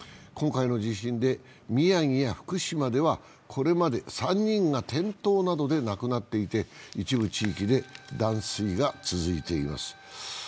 今回の地震で宮城や福島ではこれまで人が転倒などで亡くなっていて、一部地域で断水が続いています。